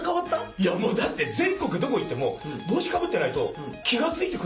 いやもうだって全国どこ行っても帽子かぶってないと気が付いてくれるんですよ。